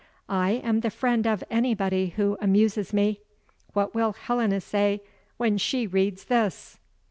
I am the friend of anybody who amuses me. What will Helena say when she reads this?